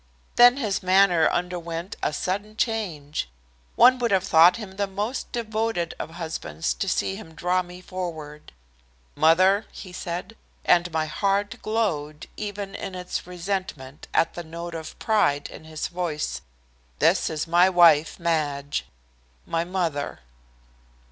Then his manner underwent a sudden change. One would have thought him the most devoted of husbands to see him draw me forward. "Mother," he said, and my heart glowed even in its resentment at the note of pride in his voice, "this is my wife. Madge, my mother."